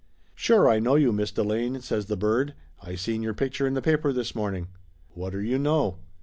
"Sure, I know you, Miss Delane," says the bird. "I seen your picture in the paper this morning!" Whatter you know